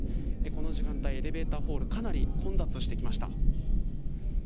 この時間帯、エレベーターホールかなり混雑してきました。